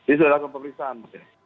ini sudah dalam pemeriksaan